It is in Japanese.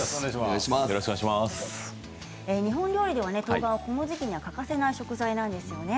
日本料理ではとうがんはこの時期欠かせない食材なんですよね。